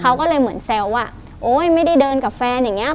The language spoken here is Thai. เขาก็เลยเหมือนแซวว่าโอ๊ยไม่ได้เดินกับแฟนอย่างเงี้